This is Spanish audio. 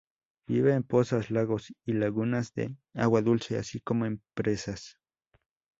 Viven en pozas, lagos y lagunas de agua dulce, así como en presas.